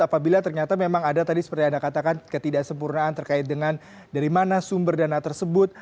apabila ternyata memang ada tadi seperti anda katakan ketidaksempurnaan terkait dengan dari mana sumber dana tersebut